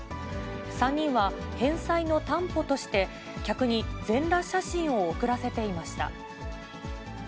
３人は返済の担保として、客に全裸写真を送らせていました。